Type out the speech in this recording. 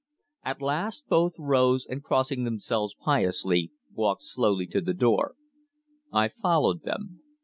At last both rose and crossing themselves piously, walked slowly to the door. I followed them.